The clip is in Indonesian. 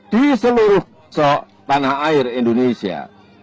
di seluruh tanah air indonesia